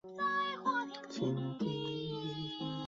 疏齿巴豆为大戟科巴豆属下的一个种。